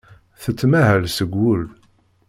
Tettmahal seg wul.